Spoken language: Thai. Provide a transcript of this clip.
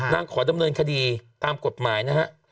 ขอดำเนินคดีตามกฎหมายนะฮะ